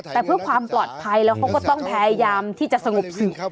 แต่เพื่อความปลอดภัยแล้วเขาก็ต้องพยายามที่จะสงบสุข